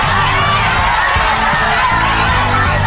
ส่วนลูกแข่งกลัววีนีลวอง